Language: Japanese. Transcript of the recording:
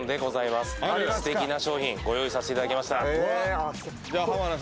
すてきな商品をご用意させていただきました。